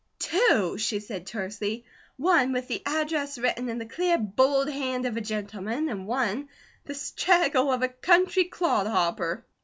"Two," she said tersely. "One, with the address written in the clear, bold hand of a gentleman, and one, the straggle of a country clod hopper."